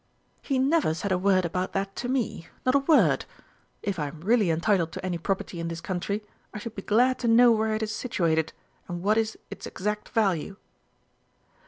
"He never said a word about that to me not a word. If I am really entitled to any property in this country, I should be glad to know where it is situated, and what is its exact value."